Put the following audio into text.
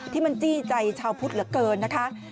ที่มันจี้ใจชาวพุทธเหลือเกินนะคะ